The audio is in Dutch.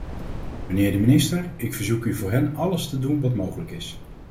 Mijnheer de minister, ik verzoek u voor hen alles te doen wat mogelijk is.